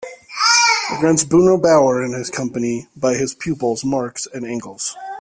Against Bruno Bauer and Company by his pupils, Marx and Engels.